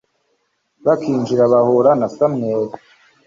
bakinjira bahura na samweli